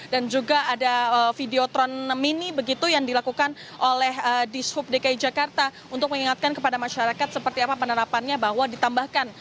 dan juga ada videotron mini begitu yang dilakukan oleh dishub dki jakarta untuk mengingatkan kepada masyarakat seperti apa penerapannya bahwa ditambahkan